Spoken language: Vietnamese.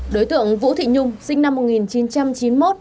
đối tượng vũ thị nhung sinh năm một nghìn chín trăm chín mươi một